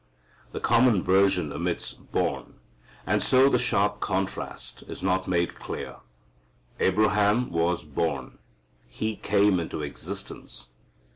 The common version omits "born," and so the sharp contrast is not made clear. Abraham was born. He came into existence.